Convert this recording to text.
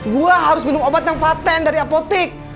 gue harus minum obat yang patent dari apotek